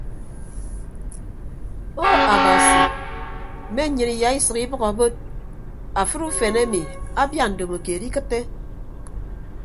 Ou abasi mme nnyịn iyaisʌk ibʌk abod afịd ufen emi abia ndomokeed ikịtte.